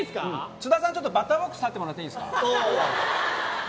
津田さん、バッターボックス入ってもらっていいですか。